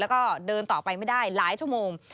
แล้วก็เดินต่อไปไม่ได้หลายชั่วโมง